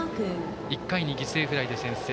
１回に犠牲フライで先制。